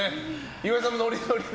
岩井さんもノリノリで。